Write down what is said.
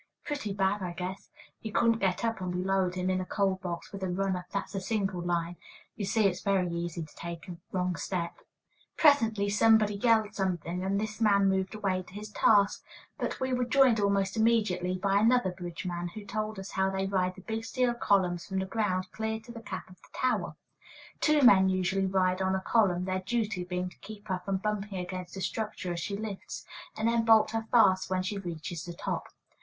"Pretty bad, I guess. He couldn't get up, and we lowered him in a coal box with a runner; that's a single line. You see, it's very easy to take a wrong step." [Illustration: RIDING UP ON AN EIGHTEEN TON COLUMN.] Presently somebody yelled something, and this man moved away to his task; but we were joined almost immediately by another bridge man, who told us how they ride the big steel columns from the ground clear to the cap of the tower. Two men usually ride on a column, their duty being to keep her from bumping against the structure as she lifts, and then bolt her fast when she reaches the top.